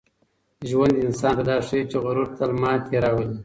ژوند انسان ته دا ښيي چي غرور تل ماتې راولي.